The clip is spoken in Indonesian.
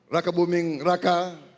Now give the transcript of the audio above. raka buming raka